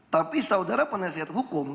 tapi saudara penelitian hukum